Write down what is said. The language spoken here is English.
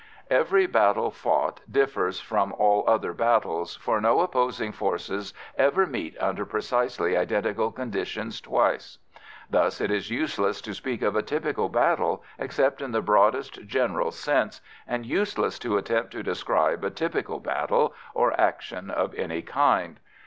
Every battle fought differs from all other battles, for no opposing forces ever meet under precisely identical conditions twice. Thus it is useless to speak of a typical battle except in the broadest general sense, and useless to attempt to describe a typical battle, or action of any kind.